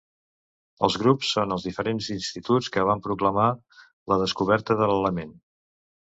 Els grups són els diferents instituts que van proclamar la descoberta de l'element.